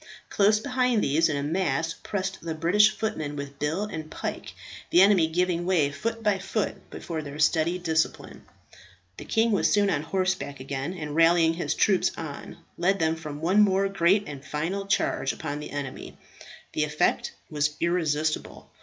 Close behind these in a mass pressed the British footmen with bill and pike, the enemy giving way foot by foot before their steady discipline. The king was soon on horseback again, and rallying his troops on, led them for one more great and final charge upon the enemy. The effect was irresistible.